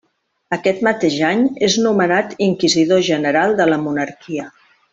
Aquest mateix any és nomenat inquisidor general de la monarquia.